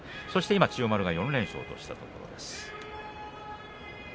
今、千代丸が４連勝としたところです。